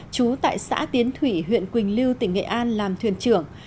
chú tại xã tiến thủy huyện quỳnh lưu tỉnh nghệ an làm thuyền trưởng